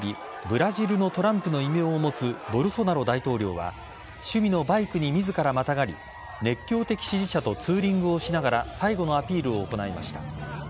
ブラジルのトランプの異名を持つボルソナロ大統領は趣味のバイクに自らまたがり熱狂的支持者とツーリングをしながら最後のアピールを行いました。